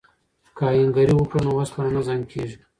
که آهنګري وکړو نو اوسپنه نه زنګ کیږي.